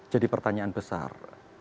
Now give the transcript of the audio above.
jadi pertanyaan besar